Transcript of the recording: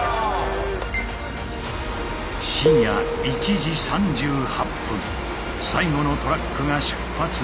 深夜１時３８分最後のトラックが出発。